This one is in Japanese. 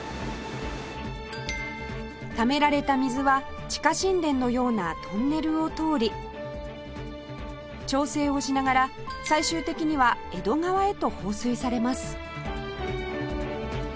ためられた水は地下神殿のようなトンネルを通り調整をしながら最終的には江戸川へと放水されます